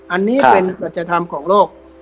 อันนี้เป็นสัจธรรมของโลก